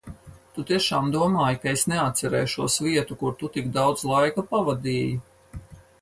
Tu tiešām domāji, ka es neatcerēšos vietu, kur tu tik daudz laika pavadīji?